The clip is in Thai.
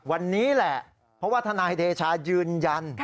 วันนี้แหละเพราะว่าทนายเดชายืนยัน